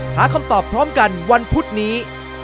หาคำตอบพร้อมกันวันพุธนี้